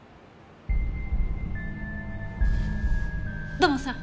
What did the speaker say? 土門さん。